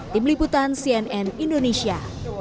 tim liputan cnn indonesia